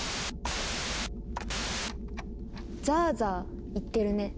ザーザーいってるね。